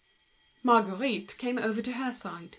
Marguerite came over to her side.